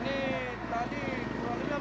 ini tadi luar biasa